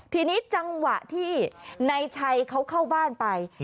ทีนี้จังหวะที่นายชัยเขาเข้าบ้านไป